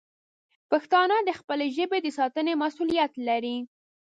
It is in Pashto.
پښتانه د خپلې ژبې د ساتنې مسوولیت لري.